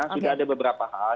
sudah ada beberapa hal